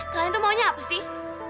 kalian tuh maunya apa sih